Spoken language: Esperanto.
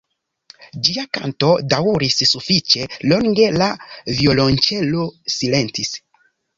Ĝia kanto daŭris sufiĉe longe, la violonĉelo silentis.